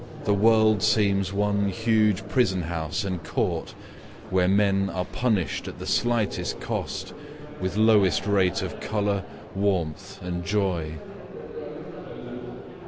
The world seems one huge prison house & courtWhere men are punished at the slightest cost, With lowest rate of colour, warmth & joy.